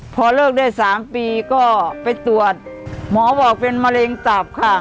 พอเลิกได้๓ปีก็ไปตรวจหมอบอกเป็นมะเร็งตับค่ะ